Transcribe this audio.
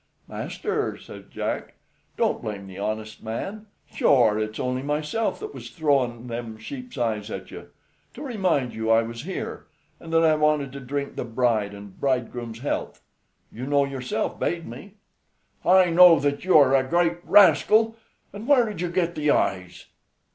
"Master," says Jack, "don't blame the honest man. Sure it's only myself that was throwin' them sheep's eyes at you, to remind you I was here, and that I wanted to drink the bride and bridegroom's health. You know yourself bade me." "I know that you are a great rascal; and where did you get the eyes?"